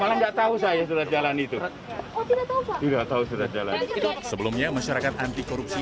malah nggak tahu saya sudah jalan itu sudah tahu sudah jalan sebelumnya masyarakat anti korupsi